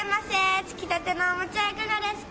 つきたてのお餅はいかがですか。